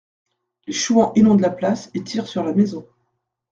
Les chouans inondent la place et tirent sur la maison.